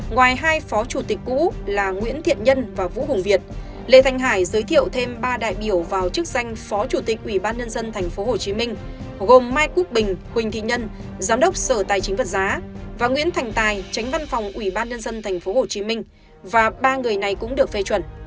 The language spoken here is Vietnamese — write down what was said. ngoài hai phó chủ tịch cũ là nguyễn thiện nhân và vũ hùng việt lê thanh hải giới thiệu thêm ba đại biểu vào chức danh phó chủ tịch ủy ban nhân dân tp hcm gồm mai quốc bình huỳnh thị nhân giám đốc sở tài chính vật giá và nguyễn thành tài tránh văn phòng ủy ban nhân dân tp hcm và ba người này cũng được phê chuẩn